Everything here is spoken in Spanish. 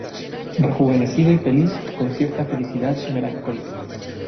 rejuvenecido y feliz, con cierta felicidad melancólica